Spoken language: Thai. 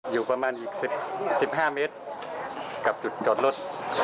อยู่ประมาณอีก๑๕เมตรกับจุดจอดรถ